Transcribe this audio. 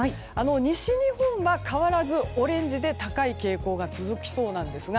西日本が変わらずオレンジで高い傾向が続きそうなんですが